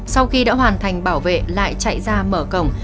sau khi đã hoàn thành bảo vệ lại chạy ra mở cổng